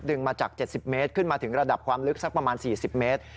มาจาก๗๐เมตรขึ้นมาถึงระดับความลึกสักประมาณ๔๐เมตร